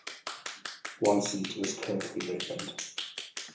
One seat is currently vacant.